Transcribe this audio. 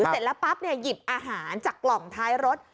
เสร็จแล้วปั๊บหยิบอาหารจากกล่องท้ายรถ